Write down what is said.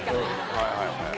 はいはいはい。